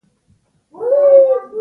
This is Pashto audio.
احمد وويل: شپه دلته نشته.